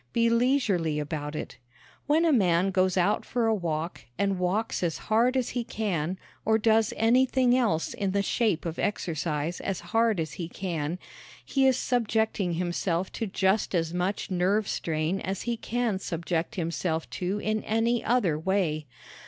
Be leisurely about it. When a man goes out for a walk and walks as hard as he can or does anything else in the shape of exercise as hard as he can he is subjecting himself to just as much nerve strain as he can subject himself to in any other way.